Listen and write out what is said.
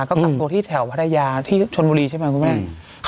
ก็กักตัวที่แถวพัทยาที่ชนบุรีใช่ไหมคุณแม่